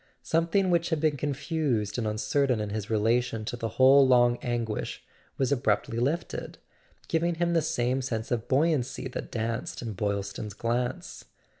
Something which had been confused and uncertain in his relation to the whole long anguish was abruptly lifted, giving him the same sense of buoyancy that danced in Boylston's glance.